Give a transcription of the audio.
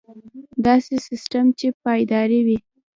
داسې سیستم چې پایدار وي.